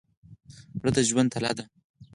زړه د ژوند تله ده.